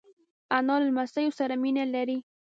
انا له لمسیو سره مینه لري